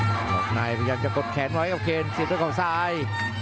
วงนายพยายามจะกดแขนไว้กับเคนสีดด้วยก่อซ้าย